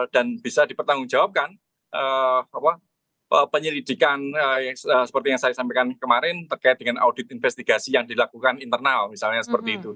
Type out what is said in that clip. dan bisa dipertanggungjawabkan penyelidikan seperti yang saya sampaikan kemarin terkait dengan audit investigasi yang dilakukan internal misalnya seperti itu